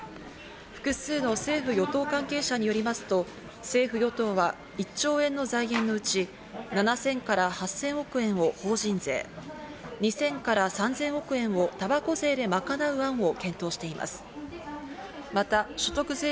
複数の政府・与党関係者によりますと政府・与党は１兆円の財源のうち、７０００８０００億円を法人税、２０００３０００億円をたばこ税で賄う案を検討しています。